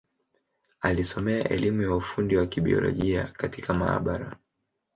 Alisomea elimu ya ufundi wa Kibiolojia katika maabara.